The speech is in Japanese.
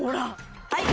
はい。